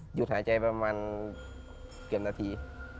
หยุดหายใจประมาณเกือบนาที